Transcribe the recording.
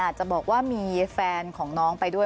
อาจจะบอกว่ามีแฟนของน้องไปด้วย